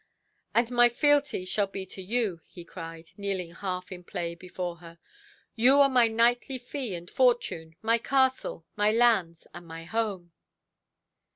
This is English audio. "And my fealty shall be to you", he cried, kneeling half in play before her; "you are my knightly fee and fortune, my castle, my lands, and my home".